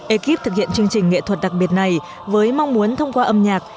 ekip thực hiện chương trình nghệ thuật đặc biệt này với mong muốn thông qua âm nhạc